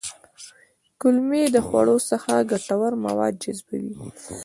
کولمې له خوړو څخه ګټور مواد جذبوي